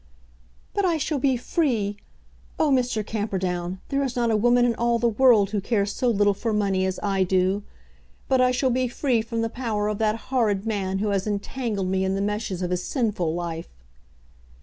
"But I shall be free! Oh, Mr. Camperdown, there is not a woman in all the world who cares so little for money as I do. But I shall be free from the power of that horrid man who has entangled me in the meshes of his sinful life."